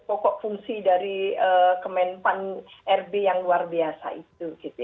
pokok fungsi dari kemenpan rb yang luar biasa itu